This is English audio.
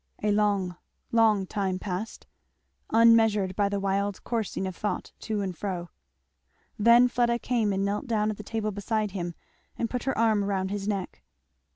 A long, long, time passed, unmeasured by the wild coursing of thought to and fro. Then Fleda came and knelt down at the table beside him, and put her arm round his neck.